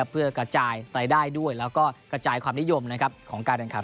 เพื่อกระจายรายได้ด้วยและกระจายความนิยมของรายการ